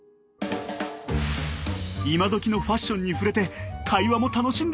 イマドキのファッションに触れて会話も楽しんでみたい！